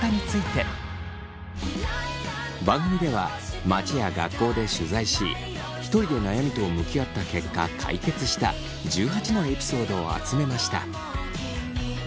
番組では街や学校で取材しひとりで悩みと向き合った結果解決した１８のエピソードを集めました。